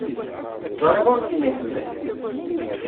Ẓriɣ ur kem-iḥemmel.